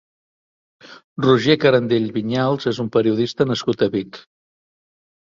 Roger Carandell Viñals és un periodista nascut a Vic.